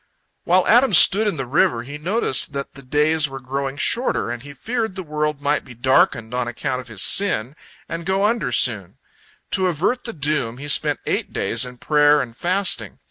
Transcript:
While Adam stood in the river, he noticed that the days were growing shorter, and he feared the world might be darkened on account of his sin, and go under soon. To avert the doom, he spent eight days in prayer and fasting.